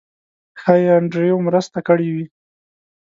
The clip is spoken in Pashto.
ښایي انډریو مرسته کړې وي.